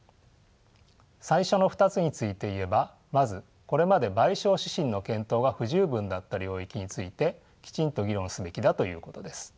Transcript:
最初の２つについて言えばまずこれまで賠償指針の検討が不十分だった領域についてきちんと議論すべきだということです。